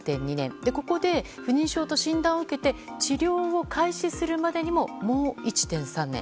ここで、不妊症と診断を受けて治療を開始するまでにももう１．３年。